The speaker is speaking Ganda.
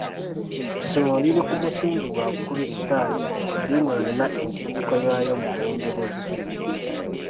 " Essomero liri ku musingi gwa bukulisitaayo, eddiini erina ensibuko yaayo mu Bungereza."